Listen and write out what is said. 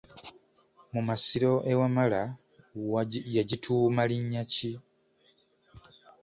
Mu masiro e Wamala yagituuma linnya ki?